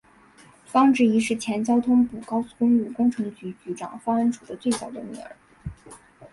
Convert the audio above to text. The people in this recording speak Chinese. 方智怡是前交通部高速公路工程局局长方恩绪的最小的女儿。